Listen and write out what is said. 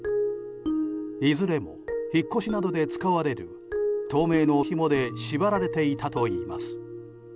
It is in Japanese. いずれも引っ越しなどで使われる透明のひもで縛られていたといいます。